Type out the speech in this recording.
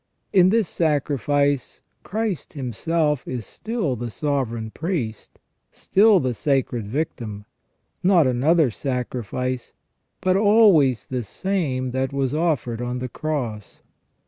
In this sacrifice Christ Himself is still the sovereign priest, still the sacred victim ; not another sacrifice, but always the same that was offered on the Cross.